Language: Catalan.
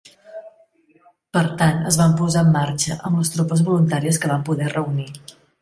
Per tant, es van posar en marxa amb les tropes voluntàries que van poder reunir.